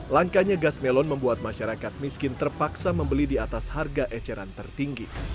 langkanya gas melon membuat masyarakat miskin terpaksa membeli di atas harga eceran tertinggi